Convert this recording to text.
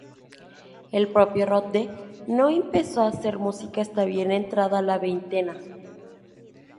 El propio Rohde no empezó a hacer música hasta bien entrada la veintena.